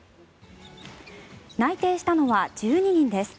内定したのは１２人です。